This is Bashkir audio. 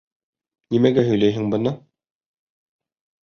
Нимәгә һөйләйһең быны?